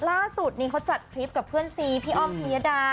ล่าสุดนี้เขาจัดคลิปกับเพื่อนซีพี่อ้อมพิยดา